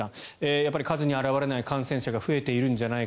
やっぱり数に表れない感染者が増えているんじゃないか。